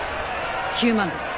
９万です。